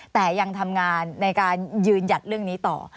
แต่ยังทำงานในการยืนหยัดเรื่องนี้ต่อ